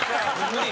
無理！